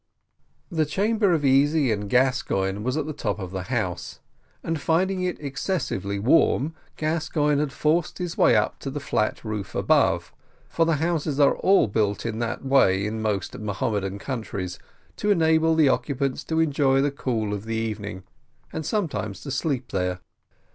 The chamber of Easy and Gascoigne was at the top of the house, and finding it excessively warm, Gascoigne had forced his way up to the flat roof above (for the houses are all built in that way in most Mahomedan countries, to enable the occupants to enjoy the cool of the evening, and sometimes to sleep there).